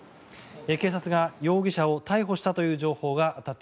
警察が容疑者を逮捕したという情報がたった